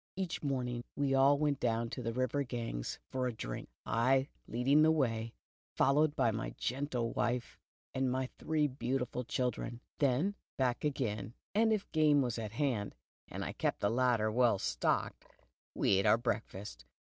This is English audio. " Each morning we all went down to the river Ganges for a drink, I leading the way, followed by my gentle wife and my three beautiful children. Then back again, and if game was at hand, and I kept the larder well stocked, we ate our breakfast.